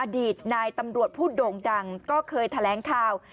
อดีตนายตำรวจผู้โด่งดังก็เคยแถลงข่าว